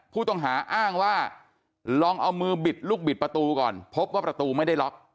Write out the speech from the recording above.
ผู้ต้องหาอ้างว่าลองเอามือบิดลูกบิดประตูก่อนพบว่าประตูไม่ได้ล็อก